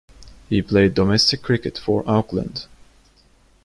He played domestic cricket for Auckland.